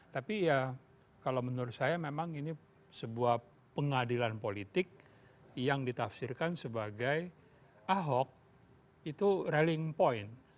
tapi ya kalau menurut saya memang ini sebuah pengadilan politik yang ditafsirkan sebagai ahok itu ralling point